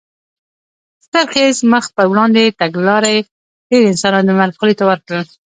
ستر خېز مخ په وړاندې تګلارې ډېر انسانان د مرګ خولې ته ور کړل.